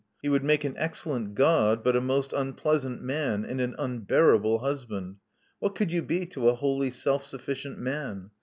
He would make an excellent God, but a most unpleasant man, and an unbearable husband. What could you be to a wholly self sufficient man?